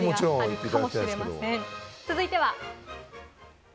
続いては。